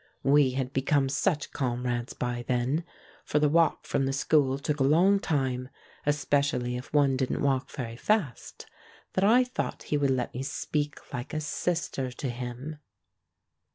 We had become such comrades by then — for the walk from the school took a long time, especially if one didn't walk very fast — that I thought he would let me speak like a sister to him.